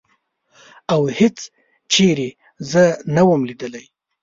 او هېڅ چېرې زه نه وم لیدلې.